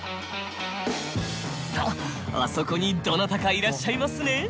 あっあそこにどなたかいらっしゃいますね。